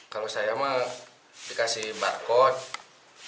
kalau saya mah dikasih barcode